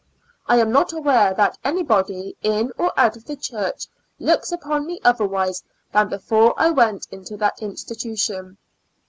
I am not aware that anybody, in or out of the church, looks upon me otherwise than before I went to that institution.